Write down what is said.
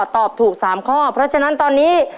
ตอบถูก๓ข้อเพราะฉะนั้นตอนนี้